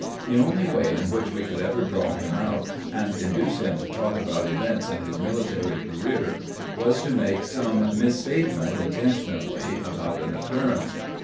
The only way in which we could ever draw him out, and induce him to talk about events in his military career, was to make some misstatement intentionally about an occurrence.